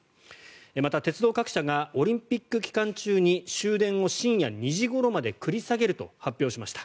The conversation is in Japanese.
また、鉄道各社がオリンピック期間中に終電を深夜２時ごろまで繰り下げると発表しました。